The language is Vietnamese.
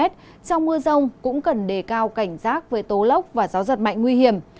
trong mưa rông cũng cần đề cao cảnh giác với tố lốc và gió giật mạnh nguy hiểm